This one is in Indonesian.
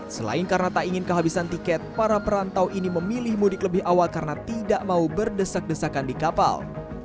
selain karena tak ingin kehabisan tiket para perantau ini memilih mudik lebih awal karena tidak mau berdesak desakan di kapal